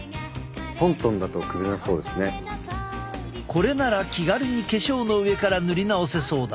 これなら気軽に化粧の上から塗り直せそうだ。